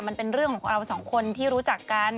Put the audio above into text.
มันเป็นเรื่องของเราสองคนที่รู้จักกัน